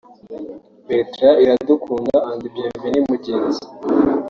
Bertrand Iradukunda and Bienvenue Mugenzi